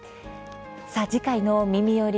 次回の「みみより！